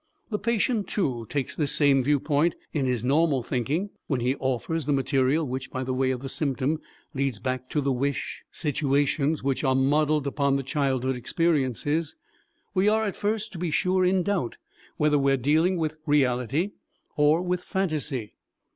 The patient, too, takes this same viewpoint in his normal thinking. When he offers the material which, by way of the symptom, leads back to the wish situations which are modeled upon the childhood experiences, we are at first, to be sure, in doubt whether we are dealing with reality or with phantasy.